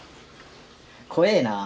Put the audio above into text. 怖えなあ。